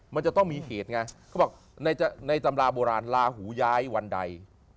มันจะต้องมีเหตุไงเขาบอกในตำราโบราณลาหูย้ายวันใด